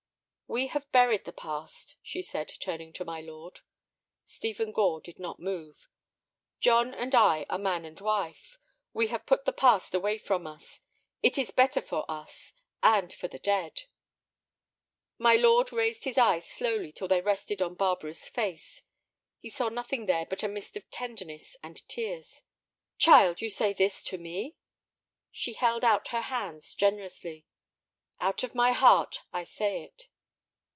"We have buried the past," she said, turning to my lord. Stephen Gore did not move. "John and I are man and wife. We have put the past away from us. It is better for us—and for the dead." My lord raised his eyes slowly till they rested on Barbara's face. He saw nothing there but a mist of tenderness and tears. "Child, you say this to me?" She held out her hands generously. "Out of my heart I say it."